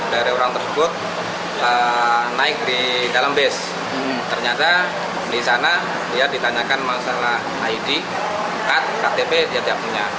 di sana dia ditanyakan masalah id kad ktp dan setiap punya